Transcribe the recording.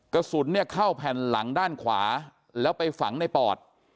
กระสุนเนี่ยเข้าแผ่นหลังด้านขวาแล้วไปฝังในปอด